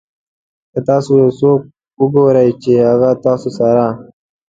که تاسو یو څوک وګورئ چې هغه ستاسو سره.